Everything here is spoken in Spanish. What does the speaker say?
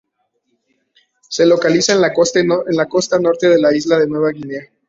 Se localiza en la costa norte de la isla de Nueva Guinea.